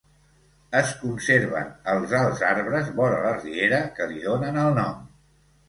Es conserven els alts arbres vora la riera que li donen el nom.